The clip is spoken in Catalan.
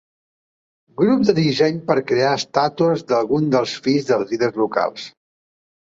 Grup de disseny per crear estàtues d'alguns dels fills dels líders locals.